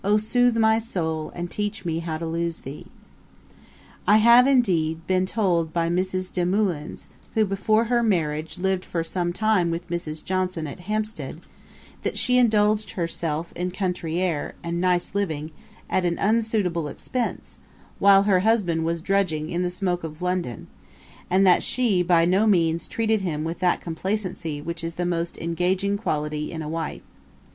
sooth my soul, and teach me how to lose thee.' [Page 238: The shock of separation. A.D. 1752.] I have, indeed, been told by Mrs. Desmoulins, who, before her marriage, lived for some time with Mrs. Johnson at Hampstead, that she indulged herself in country air and nice living, at an unsuitable expense, while her husband was drudging in the smoke of London, and that she by no means treated him with that complacency which is the most engaging quality in a wife.